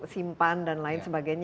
simpan dan lain sebagainya